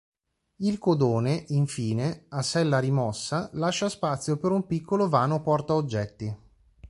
Il codone, infine, a sella rimossa, lascia spazio per un piccolo vano porta oggetti.